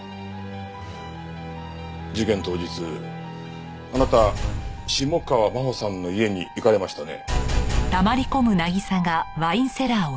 事件当日あなた下川真帆さんの家に行かれましたね？